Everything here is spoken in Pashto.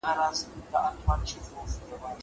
زه کولای سم سينه سپين وکړم.